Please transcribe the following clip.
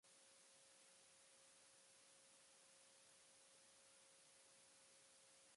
Cook County's Stroger Hospital was renamed in his honor.